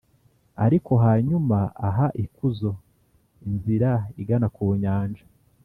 ariko hanyuma aha ikuzo inzira igana ku nyanja,